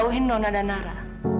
kamu jauhin nona dan nara